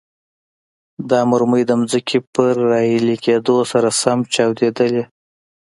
دا مرمۍ د ځمکې پر راایلې کېدو سره سم چاودیدلې.